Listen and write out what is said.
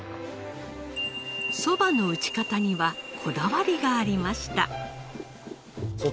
そばの打ち方にはこだわりがありました。